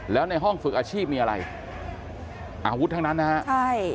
แล้วในห้องฝึกอาชีพมีอะไรอาวุธทั้งนั้นนะฮะใช่